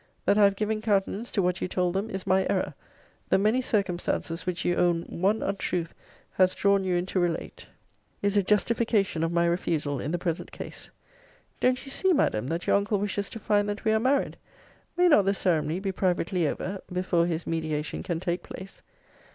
That I have given countenance to what you told them is my error. The many circumstances which you own one untruth has drawn you in to relate, is a justification of my refusal in the present case. Don't you see, Madam, that your uncle wishes to find that we are married? May not the ceremony be privately over, before his mediation can take place?